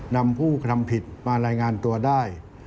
นำผู้กระทำผิดมารายงานตัวได้